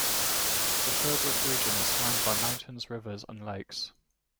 The Sherbrooke region is surrounded by mountains, rivers and lakes.